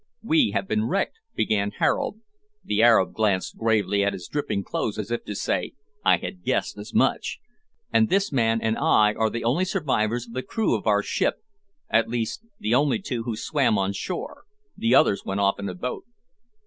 "We have been wrecked," began Harold (the Arab glanced gravely at his dripping clothes, as if to say, I had guessed as much), "and this man and I are the only survivors of the crew of our ship at least the only two who swam on shore, the others went off in a boat."